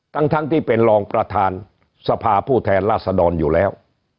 ทั้งที่เป็นรองประธานสภาผู้แทนราษดรอยู่แล้ว